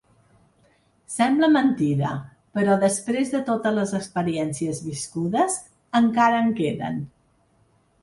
Sembla mentida, però després de totes les experiències viscudes, encara en queden.